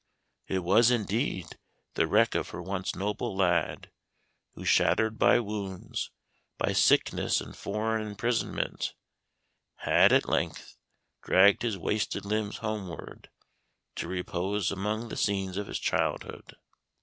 It was, indeed, the wreck of her once noble lad; who shattered by wounds, by sickness and foreign imprisonment, had, at length, dragged his wasted limbs homeward, to repose among the scenes of his childhood.